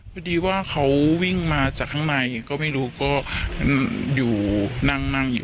พอดีว่าเขาวิ่งมาจากข้างในก็ไม่รู้ก็อยู่นั่งนั่งอยู่